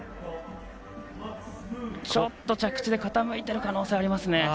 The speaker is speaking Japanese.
ちょっと着地で傾いている可能性がありますね。